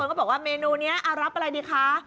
เอาเมนูนี้อรับอะไรดิคะ